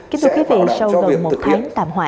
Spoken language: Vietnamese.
sẽ bảo đảm cho việc thực hiện